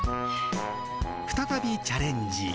再びチャレンジ。